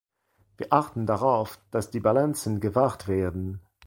Wir achten darauf, dass die Balancen gewahrt werden.